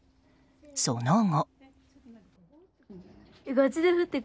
その後。